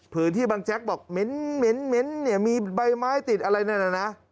ผืนที่บางแจ๊คบอกเหม็นเหม็นเหม็นมีใบไม้ติดอะไรแน่นะ